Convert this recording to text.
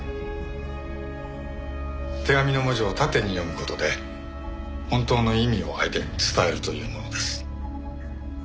手紙の文字を縦に読む事で本当の意味を相手に伝えるというものです。